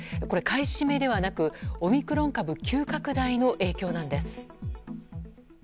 これは買い占めではなくオミクロン株急拡大の影響なんです。